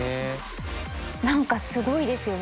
何かすごいですよね。